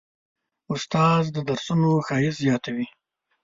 استاد د درسونو ښایست زیاتوي.